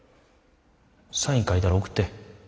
サイン書いたら送って。